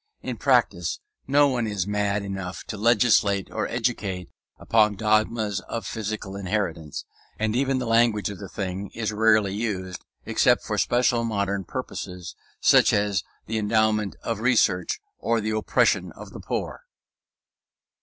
In practice no one is mad enough to legislate or educate upon dogmas of physical inheritance; and even the language of the thing is rarely used except for special modern purposes, such as the endowment of research or the oppression of the poor.